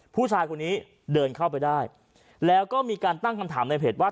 ผู้ชายคนนี้เดินเข้าไปได้แล้วก็มีการตั้งคำถามในเพจว่า